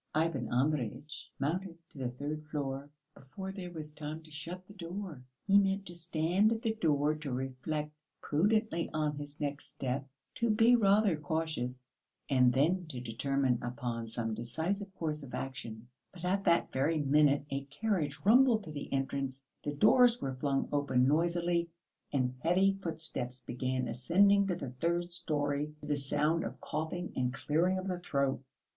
Ivan Andreyitch mounted to the third floor, before there was time to shut the door. He meant to stand at the door, to reflect prudently on his next step, to be rather cautious, and then to determine upon some decisive course of action; but at that very minute a carriage rumbled up to the entrance, the doors were flung open noisily, and heavy footsteps began ascending to the third storey to the sound of coughing and clearing of the throat.